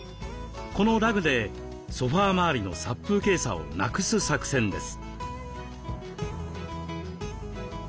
このラグでソファー周りの殺風景さをなくす作戦です。